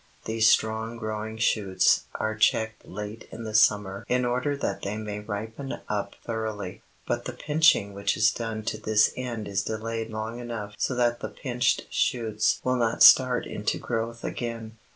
These strong growing shoots are checked late in the summer in order that they may ripen up thoroughly, but the pinching which is done to this end is delayed long enough so that the pinched shoots will not start into growth again.